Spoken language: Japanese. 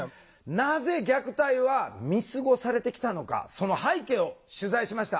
なぜ虐待は見過ごされてきたのかその背景を取材しました。